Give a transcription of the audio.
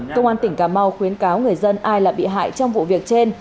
công an tỉnh cà mau khuyến cáo người dân ai là bị hại trong vụ việc trên